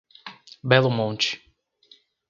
Belo Monte